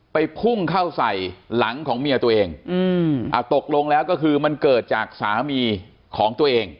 พุ่งเข้าใส่หลังของเมียตัวเองอืมอ่าตกลงแล้วก็คือมันเกิดจากสามีของตัวเอง